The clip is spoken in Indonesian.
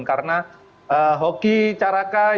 karena hoki caraca yang